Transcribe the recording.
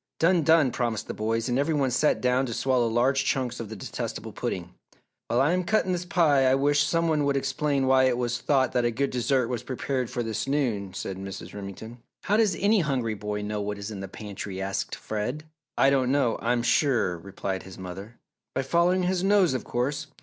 "Done! Done!" promised the boys, and every one sat down to swallow large chunks of the detestable pudding. "While I am cutting this pie I wish some one would explain why it was thought that a good dessert was prepared for this noon," said Mrs. Remington. "How does any hungry boy know what is in the pantry?" asked Fred. "I don't know, I'm sure," replied his mother. "By following his nose, of course!